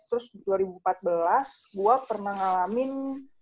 terus dua ribu empat belas gue pernah ngalamin